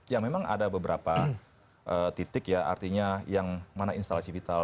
ya memang ada beberapa titik ya artinya yang mana instalasi vital